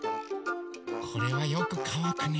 これはよくかわくね。